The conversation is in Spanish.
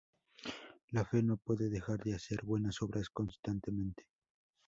La fe no puede dejar de hacer buenas obras constantemente.